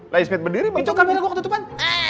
lancet berdiri itu kamera ketutupan